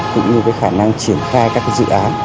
cũng như khả năng triển khai các dự án